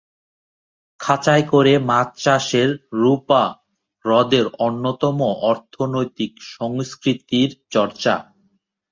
খাঁচায় করে মাছ চাষের রুপা হ্রদের অন্যতম অর্থনৈতিক সংস্কৃতির চর্চা।